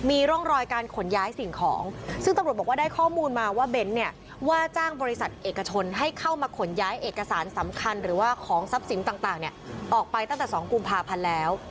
เอกสารสำคัญหรือว่าของทรัพย์สินต่างออกไปตั้งแต่สองกลุ่มพาพันธุ์แล้ว